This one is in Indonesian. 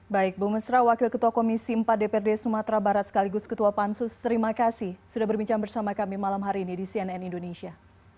baik bung mesra wakil ketua komisi empat dprd sumatera barat sekaligus ketua pansus terima kasih sudah berbincang bersama kami malam hari ini di cnn indonesia